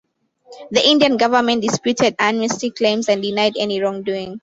The Indian government disputed Amnesty's claims and denied any wrongdoing.